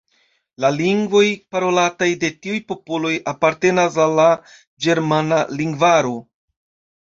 La lingvoj parolataj de tiuj popoloj apartenas al la ĝermana lingvaro.